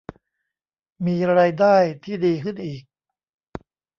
มีรายได้ที่ดีขึ้นอีก